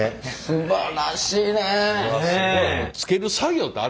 すばらしい。